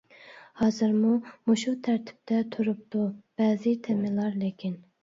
ھازىرمۇ مۇشۇ تەرتىپتە تۇرۇپتۇ بەزى تېمىلار لېكىن.